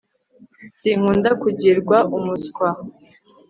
sinkunda kugirwa umuswa